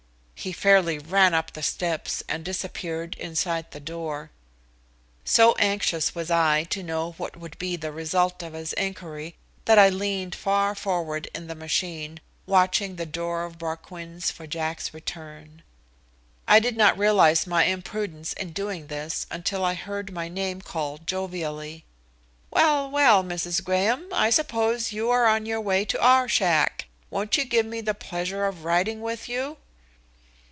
He fairly ran up the steps and disappeared inside the door. So anxious was I to know what would be the result of his inquiry that I leaned far forward in the machine, watching the door of Broquin's for Jack's return. I did not realize my imprudence in doing this until I heard my name called jovially. "Well! well, Mrs. Graham, I suppose you are on your way to our shack. Won't you give me the pleasure of riding with you?"